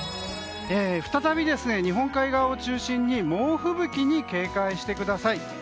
再び日本海側を中心に猛吹雪に警戒してください。